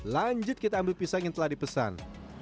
lanjut kita ambil pisang yang telah dipesan